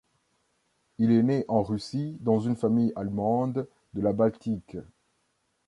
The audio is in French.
Il est né en Russie dans une famille allemande de la Baltique.